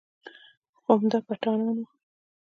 خو همدا پټانان و.